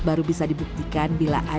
dan berkualitas yang terdapat di dalam pembelaan